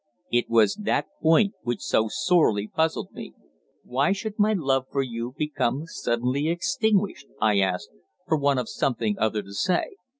It was that point which so sorely puzzled me. "Why should my love for you become suddenly extinguished?" I asked, for want of something other to say.